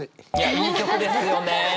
いい曲ですよね。